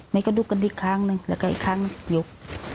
มันก็ดุกันอีกครั้งหนึ่งแล้วก็อีกครั้งหนึ่งยุบ